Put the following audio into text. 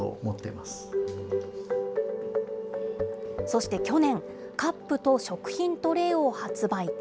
そして去年、カップと食品トレーを発売。